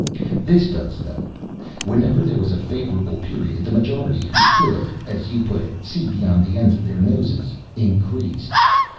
"This does, though: whenever there was a favorable period the majority who could, as you put it, see beyond the ends of their noses increased.